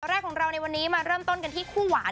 อย่างก่อนแรกของเรามาเริ่มต้นกันที่คู่หวาน